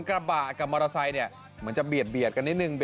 กระบะกับมอเตอร์ไซค์เนี่ยเหมือนจะเบียดกันนิดนึง